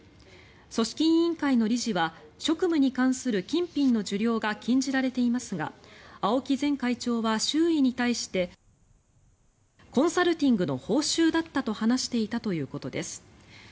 組織委員会の理事は職務に関する金品の受領が禁じられていますが青木前会長は周囲に対してコンサルティングの報酬だったと話しているということです。